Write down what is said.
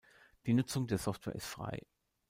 Die Nutzung der Software ist frei.